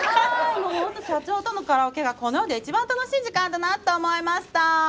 もう本当、社長とのカラオケがこの世で一番楽しい時間だなと思いました。